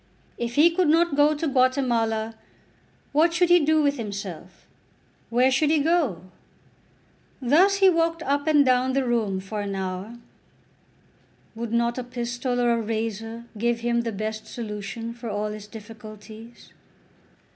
If he could not go to Guatemala, what should he do with himself; where should he go? Thus he walked up and down the room for an hour. Would not a pistol or a razor give him the best solution for all his difficulties?